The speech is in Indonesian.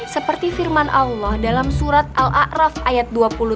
seperti firman allah dalam surat al a'raf ayat dua puluh tujuh